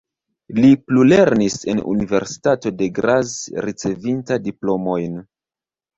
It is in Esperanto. Li plulernis en universitato de Graz ricevinta diplomojn.